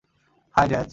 High, jazz.